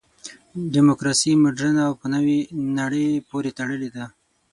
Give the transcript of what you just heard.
دیموکراسي مډرنه او په نوې نړۍ پورې تړلې ده.